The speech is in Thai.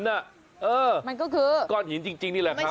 นั่นก็คือก้อนหินจริงนี่แหละครับ